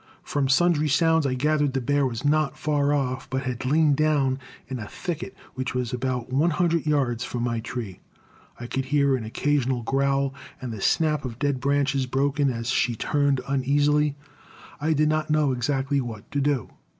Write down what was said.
From sundry sounds I gathered the bear was not far off, but had lain down in a thicket which was about one hundred yards from my tree. I could hear an occasional growl, and the snap of dead branches, broken as she turned uneasily. I did not know exactly what to do.